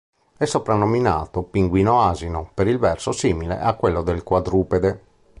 È soprannominato "pinguino asino" per il verso simile a quello del quadrupede.